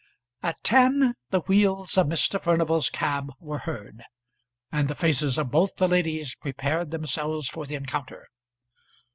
At ten the wheels of Mr. Furnival's cab were heard, and the faces of both the ladies prepared themselves for the encounter.